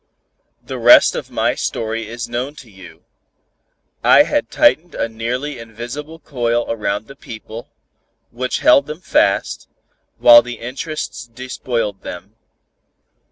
The rest of my story is known to you. I had tightened a nearly invisible coil around the people, which held them fast, while the interests despoiled them.